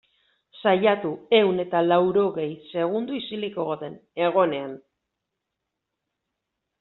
Saiatu ehun eta laurogei segundo isilik egoten, egonean.